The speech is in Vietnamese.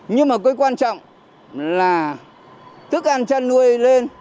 nhưng mà cái quan trọng là thức ăn chăn nuôi lên